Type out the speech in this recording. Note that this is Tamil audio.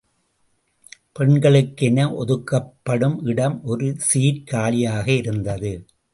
பெண்களுக்கு என ஒதுக்கப்படும் இடம் ஒரு சீட், காலியாக இருந்தது.